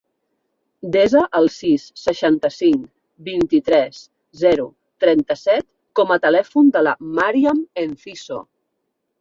Desa el sis, seixanta-cinc, vint-i-tres, zero, trenta-set com a telèfon de la Màriam Enciso.